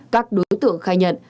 các đối tượng khai nhận